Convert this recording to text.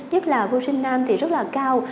nhất là vô sinh nam thì rất là cao